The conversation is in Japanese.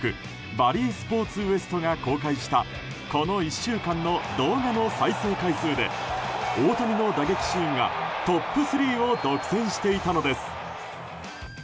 バリー・スポーツ・ウエストが公開したこの１週間の動画の再生回数で大谷の打撃シーンがトップ３を独占していたのです。